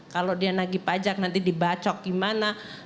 kalau dia nagi pajak nanti dibacok gimana